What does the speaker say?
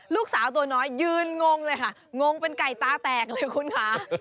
ลูกสาวตัวน้อยยืนงงเลยค่ะงงเป็นไก่ตาแตกเลยคุณค่ะ